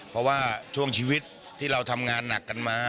เพราะว่าช่วงชีวิตที่เราทำงานหนักกันมา